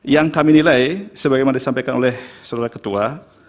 yang kami nilai sebagaimana disampaikan oleh saudara ketua